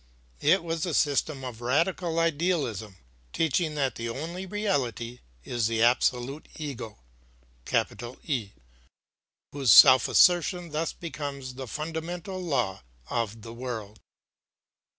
It was a system of radical idealism, teaching that the only reality is the absolute Ego, whose self assertion thus becomes the fundamental law of the world.